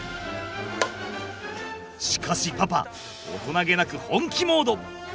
しかしパパ大人気なく本気モード。